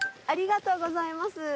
ありがとうございます。